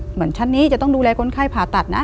เหมือนชั้นนี้จะต้องดูแลคนไข้ผ่าตัดนะ